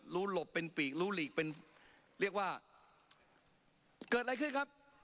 หลบเป็นปีกรู้หลีกเป็นเรียกว่าเกิดอะไรขึ้นครับ